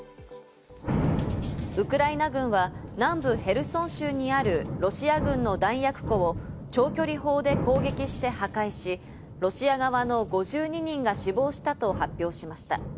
ウクライナ軍は南部ヘルソン州にあるロシア軍の弾薬庫を長距離砲で攻撃して破壊し、ロシア側の５２人が死亡したと発表しました。